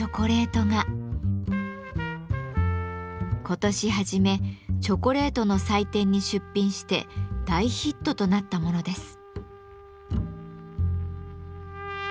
今年初めチョコレートの祭典に出品して大ヒットとなったものです。